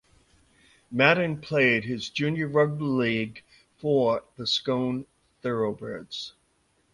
Madden played his junior rugby league for the Scone Thoroughbreds.